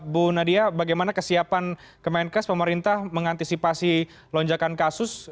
bu nadia bagaimana kesiapan kemenkes pemerintah mengantisipasi lonjakan kasus